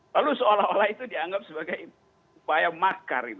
lalu seolah olah itu dianggap sebagai upaya makar